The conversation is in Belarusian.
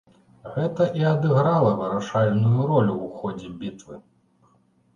Гэта і адыграла вырашальную ролю ў ходзе бітвы.